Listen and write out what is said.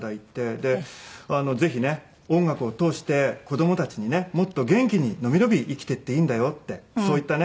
でぜひね音楽を通して子供たちにねもっと元気にのびのび生きていっていいんだよってそういったね